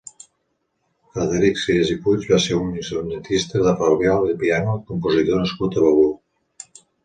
Frederic Sirés i Puig va ser un instrumentista de flabiol i piano, i compositor nascut a Begur.